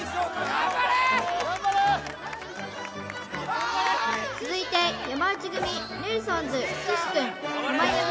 頑張れ続いて山内組ネルソンズ岸くん濱家組